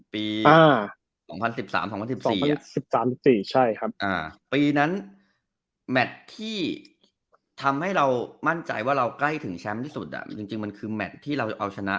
ปี๒๐๑๓๒๐๑๔๑๓๑๔ใช่ครับปีนั้นแมทที่ทำให้เรามั่นใจว่าเราใกล้ถึงแชมป์ที่สุดจริงมันคือแมทที่เราจะเอาชนะ